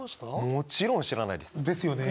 もちろん知らないです。ですよね。